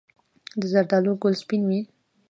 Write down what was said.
د زردالو ګل سپین وي؟